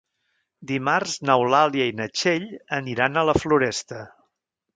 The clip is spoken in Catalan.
Dimarts n'Eulàlia i na Txell aniran a la Floresta.